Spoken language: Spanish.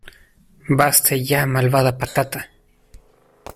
¡ Basta ya, malvada patata!